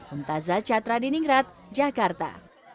untazah catra diningrat jakarta